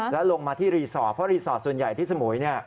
แล้วลงมาที่รีสอร์ทเพราะรีสอร์ทส่วนใหญ่ที่สมุย